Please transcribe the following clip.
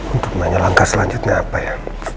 untuk nanya langkah selanjutnya apa ya